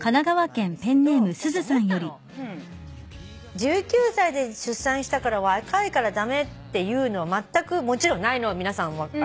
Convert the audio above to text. １９歳で出産したから若いから駄目っていうのはまったくもちろんないのは皆さん。